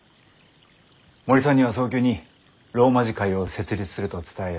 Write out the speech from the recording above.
森さんには早急に羅馬字会を設立すると伝えよう。